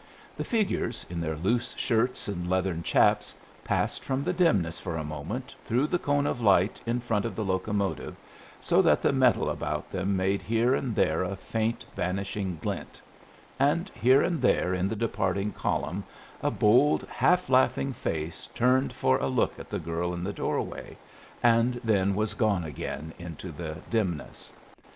The figures, in their loose shirts and leathern chaps, passed from the dimness for a moment through the cone of light in front of the locomotive, so that the metal about them made here and there a faint, vanishing glint; and here and there in the departing column a bold, half laughing face turned for a look at the girl in the doorway, and then was gone again into the dimness.